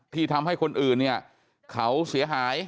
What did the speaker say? ที่ทำให้คนอื่นเนี่ยเขาเสียหาย